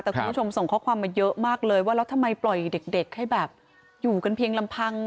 แต่คุณผู้ชมส่งข้อความมาเยอะมากเลยว่าแล้วทำไมปล่อยเด็กให้แบบอยู่กันเพียงลำพัง